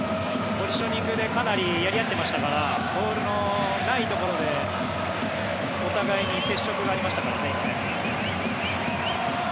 ポジショニングでかなりやり合っていましたからボールのないところでお互いに接触がありましたからね。